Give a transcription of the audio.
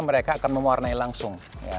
mereka akan mewarnai langsung